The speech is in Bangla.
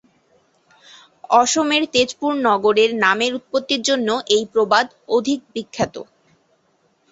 অসমের তেজপুর নগরের নামের উৎপত্তির জন্য এই প্রবাদ অধিক বিখ্যাত।